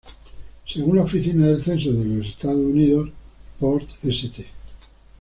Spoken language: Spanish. Según la Oficina del Censo de los Estados Unidos, Port St.